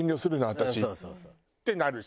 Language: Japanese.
私」ってなるし。